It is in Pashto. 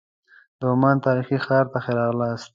د عمان تاریخي ښار ته ښه راغلاست.